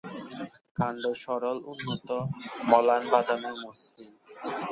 কাণ্ড সরল, উন্নত, ম্লান-বাদামি ও মসৃণ।